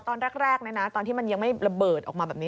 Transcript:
ตอนแรกนะตอนที่มันยังไม่ระเบิดออกมาแบบนี้